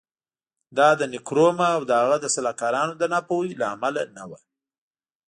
دا د نکرومه او د هغه د سلاکارانو د ناپوهۍ له امله نه و.